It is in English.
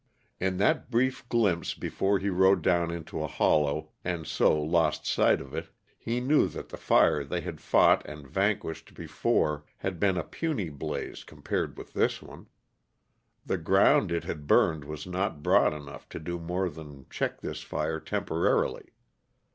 In that brief glimpse before he rode down into a hollow and so lost sight of it, he knew that the fire they had fought and vanquished before had been a puny blaze compared with this one. The ground it had burned was not broad enough to do more than check this fire temporarily.